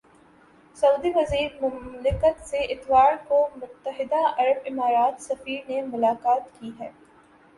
سعودی وزیر مملکت سے اتوار کو متحدہ عرب امارات سفیر نے ملاقات کی ہے